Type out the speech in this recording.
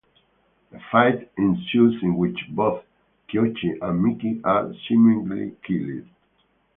A fight ensues in which both Kyoichi and Miki are seemingly killed.